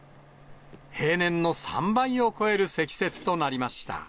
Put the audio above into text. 平年の３倍を超える積雪となりました。